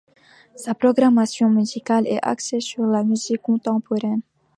Sa programmation musicale est axée sur la musique contemporaine.